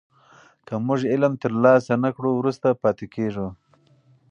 که موږ علم ترلاسه نه کړو وروسته پاتې کېږو.